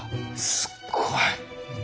すっごい。